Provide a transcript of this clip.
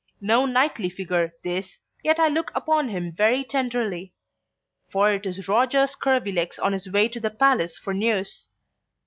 No knightly figure this, yet I look upon him very tenderly. For it is Roger Scurvilegs on his way to the Palace for news.